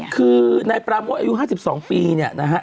คือนายปราโมทอายุ๕๒ปีเนี่ยนะฮะ